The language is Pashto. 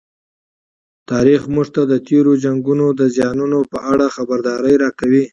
تاریخ موږ ته د تېرو جنګونو د زیانونو په اړه خبرداری راکوي.